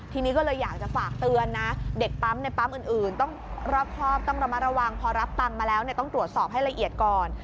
ต้องระมัดระวังพอรับปังมาแล้วต้องตรวจสอบให้ละเอียดก่อน